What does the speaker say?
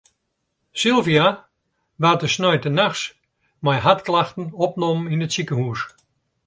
Sylvia waard de sneintenachts mei hartklachten opnommen yn it sikehûs.